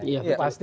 iya itu pasti